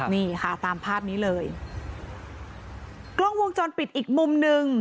นี่ค่ะตามภาพนี้เลยกล้องวงจรปิดอีกมุมหนึ่ง